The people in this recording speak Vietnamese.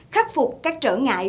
khắc phục các trở ngại